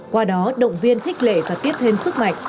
qua đó động viên khích lệ và tiết hên sức mạnh